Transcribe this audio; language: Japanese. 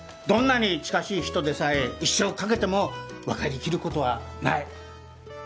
どんなに近しい人でさえ一生かけてもわかりきる事はない。